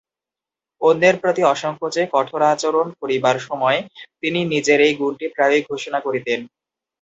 অন্যের প্রতি অসংকোচে কঠোরাচরণ করিবার সময় তিনি নিজের এই গুণটি প্রায়ই ঘোষণা করিতেন।